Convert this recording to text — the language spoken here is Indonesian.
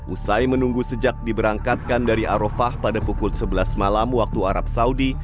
usai menunggu sejak diberangkatkan dari arofah pada pukul sebelas malam waktu arab saudi